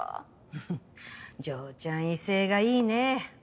フフ嬢ちゃん威勢がいいね。